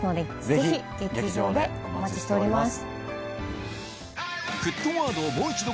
ぜひ劇場でお待ちしております。